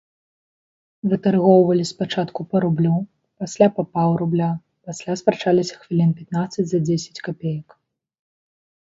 Вытаргоўвалі спачатку па рублю, пасля па паўрубля, пасля спрачаліся хвілін пятнаццаць за дзесяць капеек.